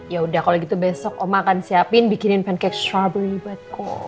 ya udah kalau gitu besok oma akan siapin bikin pancake strawberry buatku